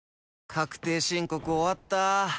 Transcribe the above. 確定申告終わった。